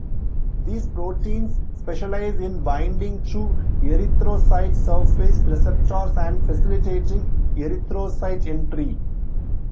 These proteins specialize in binding to erythrocyte surface receptors and facilitating erythrocyte entry.